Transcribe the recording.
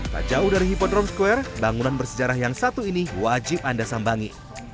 tak jauh dari hipodrome square bangunan bersejarah yang satu ini wajib anda sambangi